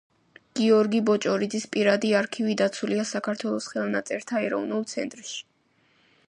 გიორგი ბოჭორიძის პირადი არქივი დაცულია საქართველოს ხელნაწერთა ეროვნულ ცენტრში.